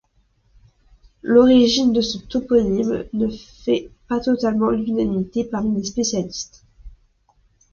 L'origine de ce toponyme ne fait pas totalement l'unanimité parmi les spécialistes.